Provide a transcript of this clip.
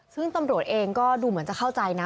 ซึ่งตำรวจเองก็ดูเหมือนจะเข้าใจนะ